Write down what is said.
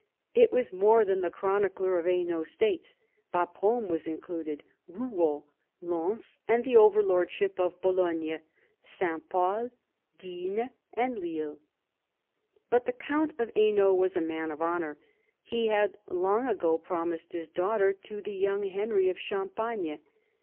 It was more than the chronicler of Hainault states — Bapaume was included, Euot, Lens, and the overlordship of Bologne, S. Pol, Guisnes, and Lille. But the count of Hainault was a man of honour. He had long ago promised his daughter to the young Henry of Champagne.